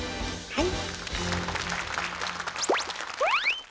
はい！